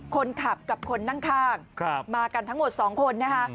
คนขับกับคนนั่งข้างมากันทั้งหมด๒คนนะคะ